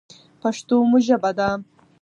پښتو مو ژبه ده.